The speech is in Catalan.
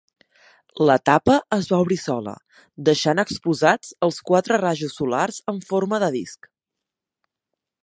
La tapa es va obrir sola, deixant exposats els quatre rajos solars en forma de disc.